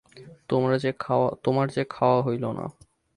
তোমার যে খাওয়া হইল না।